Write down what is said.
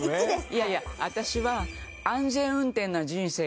いやいや私は。